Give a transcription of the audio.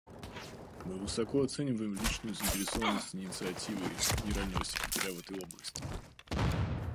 Мы высоко оцениваем личную заинтересованность и инициативы Генерального секретаря в этой области.